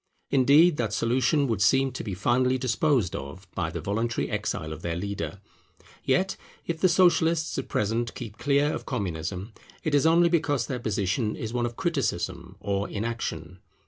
Indeed that solution would seem to be finally disposed of by the voluntary exile of their leader. Yet, if the Socialists at present keep clear of Communism, it is only because their position is one of criticism or inaction.